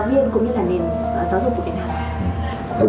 về bất ổn tâm lý cho giáo viên cũng như là nền giáo dục của việt nam